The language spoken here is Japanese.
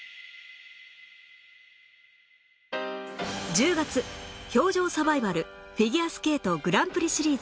１０月氷上サバイバルフィギュアスケートグランプリシリーズ